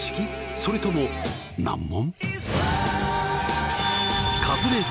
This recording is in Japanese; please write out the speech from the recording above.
それとも難問？